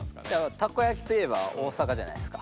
たこやきといえば大阪じゃないですか。